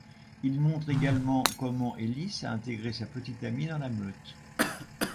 Il montre également comment Ellis a intégré sa petite amie dans la meute.